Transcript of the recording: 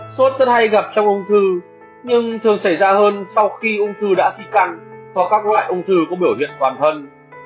xuất rất hay gặp trong ung thư nhưng thường xảy ra hơn sau khi ung thư đã di căn và các loại ung thư có biểu hiện toàn thân